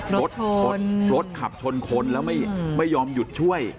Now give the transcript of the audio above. รถชนรถขับชนคนแล้วไม่ยอมหยุดช่วย